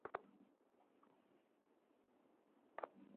তার মানে তুমি আমার ব্যাপারে কাউকেই বলোনি?